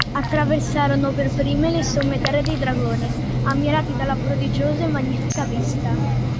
Attraversarono, per prime, le somme terre dei dragoni, ammirati dalla prodigiosa e magnifica vista.